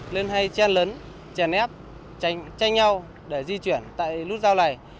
lên hay chen lớn chen ép tranh nhau để di chuyển tại nút giao này